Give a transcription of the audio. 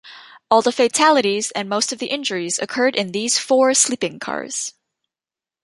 All the fatalities and most of the injuries occurred in these four sleeping cars.